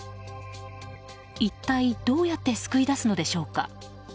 一体、どうやって救い出すのでしょうか。